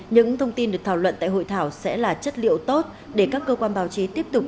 những thông tin được thảo luận tại hội thảo sẽ là chất liệu tốt để các cơ quan báo chí tiếp tục